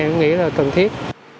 tôi nghĩ là cần thiết